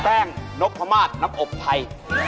แป้งนกทะมาตรน้ำอบไถ่